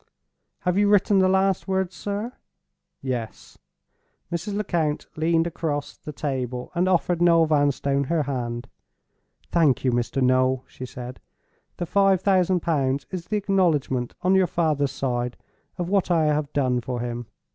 "Have you written the last words, sir?" "Yes." Mrs. Lecount leaned across the table and offered Noel Vanstone her hand. "Thank you, Mr. Noel," she said. "The five thousand pounds is the acknowledgment on your father's side of what I have done for him.